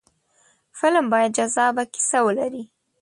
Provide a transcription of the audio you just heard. فلم باید جذابه کیسه ولري